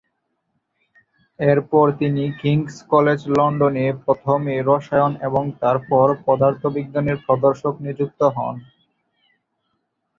এরপর তিনি King's College London এ প্রথমে রসায়ন এবং তারপর পদার্থবিজ্ঞানের প্রদর্শক নিযুক্ত হন।